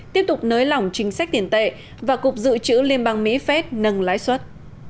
tiếp tục nới lỏng chính sách tiền tệ và cục dự trữ liên bang mỹ phép nâng lái xuất